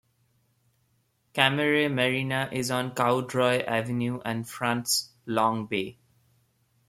Cammeray Marina is on Cowdroy Avenue and fronts Long Bay.